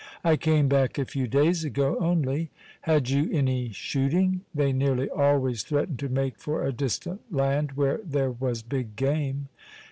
"I came back a few days ago only." "Had you any shooting?" (They nearly always threatened to make for a distant land where there was big game.)